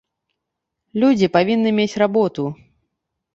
Людзі павінны мець работу.